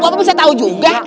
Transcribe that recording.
kok bapak bisa tahu juga